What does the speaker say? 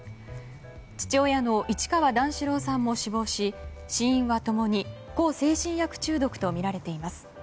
父親の市川段四郎さんも死亡し死因は共に向精神薬中毒とみられています。